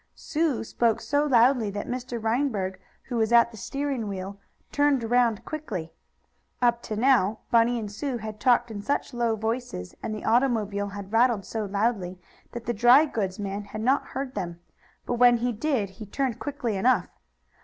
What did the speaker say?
Sue spoke so loudly that Mr. Reinberg, who was at the steering wheel, turned around quickly. Up to now Bunny and Sue had talked in such low voices, and the automobile had rattled so loudly, that the dry goods man had not heard them. But when he did he turned quickly enough.